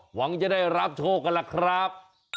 หวังจะได้รับโชคกันล่ะครับ